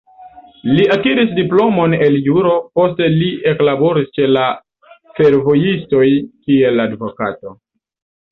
Li akiris diplomon el juro, poste li eklaboris ĉe la fervojistoj kiel advokato.